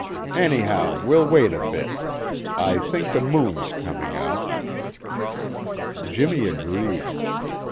Anyhow, we'll wait a bit. I think the moon's coming out." Jimmy agreed.